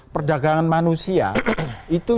perdagangan manusia itu